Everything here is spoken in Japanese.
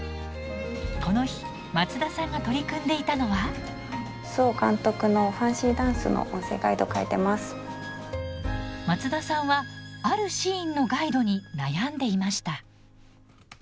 この日松田さんが取り組んでいたのは松田さんはあるシーンのガイドに悩んでいました。